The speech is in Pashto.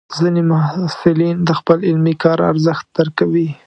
ځینې محصلین د خپل علمي کار ارزښت درکوي.